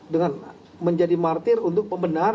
dengan menjadi martir untuk pembenar